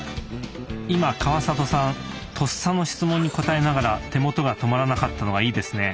今川里さんとっさの質問に答えながら手元が止まらなかったのはいいですね。